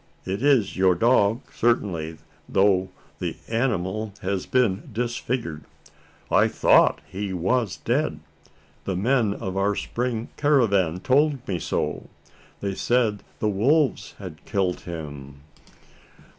It is your dog, certainly, though the animal has been disfigured. I thought he was dead. The men of our spring caravan told me so. They said that the wolves had killed him."